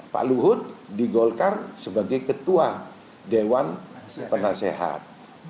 pak luhut di golkar sebagai ketua dewan penasehat